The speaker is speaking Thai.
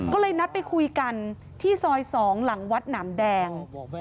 ก็เลยนัดไปคุยกันที่ซอย๒หลังวัดหนามแดง